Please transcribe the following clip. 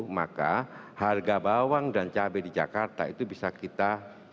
maka harga bawang dan cabai di jakarta itu bisa kita